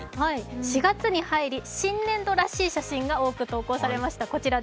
４月に入り、新年度らしい写真が多く投稿されました。